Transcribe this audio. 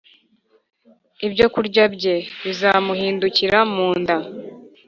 Ibyokurya bye bizamuhindukira mu nda